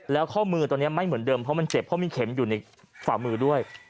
แล้วข้อมือตอนนี้ไม่เหมือนเดิมเพราะมันเจ็บเพราะมีเข็มอยู่ในฝ่ามือด้วย